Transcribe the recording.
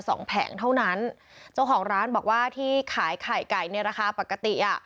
แผงเท่านั้นเจ้าของร้านบอกว่าที่ขายไข่ไก่ในราคาปกติอ่ะ